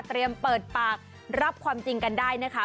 เปิดปากรับความจริงกันได้นะคะ